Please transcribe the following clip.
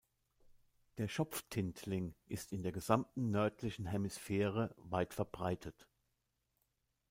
Der Schopf-Tintling ist in der gesamten nördlichen Hemisphäre weit verbreitet.